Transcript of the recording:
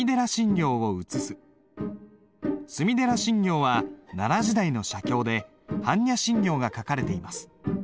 隅寺心経は奈良時代の写経で般若心経が書かれています。